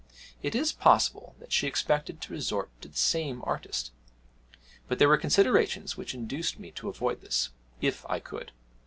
It is possible that she expected me to resort to the same artist; but there were considerations which induced me to avoid this, if I could.